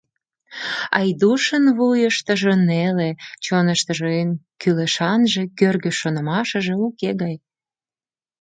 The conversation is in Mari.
Айдушын вуйыштыжо неле, чоныштыжо эн кӱлешанже, кӧргӧ шонымашыже уке гай...